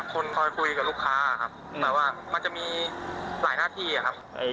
คนคอยคุยกับลูกค้ามีหลายหน้าที่ครับ